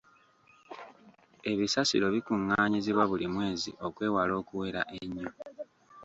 Ebisasiro bikungaanyizibwa buli mwezi okwewala okuwera ennyo.